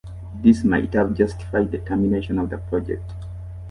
This might have justified the termination of the project.